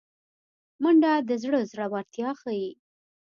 منډه د زړه زړورتیا ښيي